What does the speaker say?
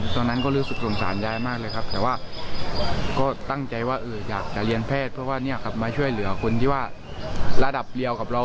ตอนนั้นก็รู้สึกสงสารยายมากเลยครับแต่ว่าก็ตั้งใจว่าอยากจะเรียนแพทย์เพราะว่ามาช่วยเหลือคนที่ว่าระดับเดียวกับเรา